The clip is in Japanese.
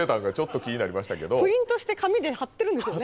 プリントして紙で貼ってるんですよね。